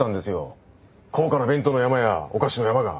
高価な弁当の山やお菓子の山が。